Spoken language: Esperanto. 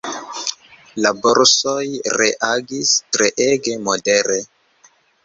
La borsoj reagis treege modere.